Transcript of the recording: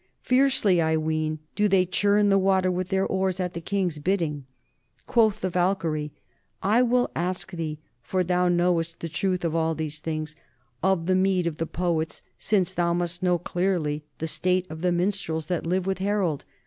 Fiercely, I ween, do they churn the water with their oars at the king's bidding. Quoth the Walkyrie : I will ask thee, for thou knowest the truth of all these things, of the meed of the Poets, since thou must know clearly the state of the minstrels that live with Harold.